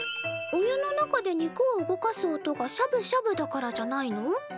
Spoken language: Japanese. お湯の中で肉を動かす音がしゃぶしゃぶだからじゃないの？